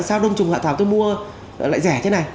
sao đông trùng hạ thảo tôi mua lại rẻ thế này